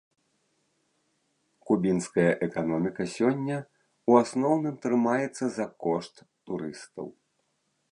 Кубінская эканоміка сёння ў асноўным трымаецца за кошт турыстаў.